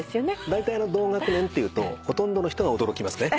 だいたい同学年って言うとほとんどの人が驚きますね。